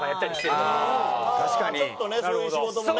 ちょっとねそういう仕事もね。